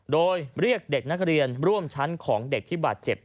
โดยเรียกเด็กนักเรียนร่วมชั้นของเด็กที่บาดเจ็บ